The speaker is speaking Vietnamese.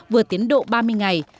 vừa tiến độ ba mươi ngày